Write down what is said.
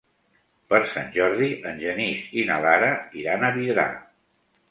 Per Sant Jordi en Genís i na Lara iran a Vidrà.